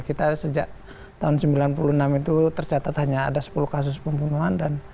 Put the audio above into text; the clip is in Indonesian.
kita sejak tahun sembilan puluh enam itu tercatat hanya ada sepuluh kasus pembunuhan